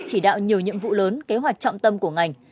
chỉ đạo nhiều nhiệm vụ lớn kế hoạch trọng tâm của ngành